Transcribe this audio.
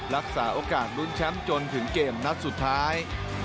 รักษาโอกาสลุ้นแชมป์จนถึงเกมนัดสุดท้าย